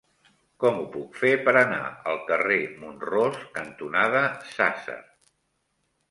Com ho puc fer per anar al carrer Mont-ros cantonada Sàsser?